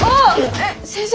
えっ先生。